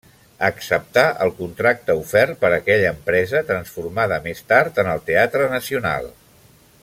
Acceptà el contracte ofert per aquella empresa, transformada més tard en el Teatre Nacional.